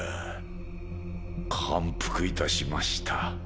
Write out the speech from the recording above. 感服いたしました。